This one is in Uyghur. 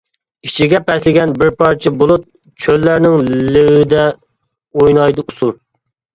ئىچىگە پەسلىگەن بىر پارچە بۇلۇت، چۆللەرنىڭ لېۋىدە ئوينايدۇ ئۇسۇل.